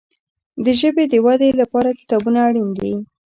د ژبي د ودي لپاره کتابونه اړین دي.